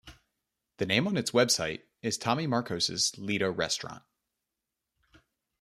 The name on its website is "Tommy Marcos' Ledo Restaurant".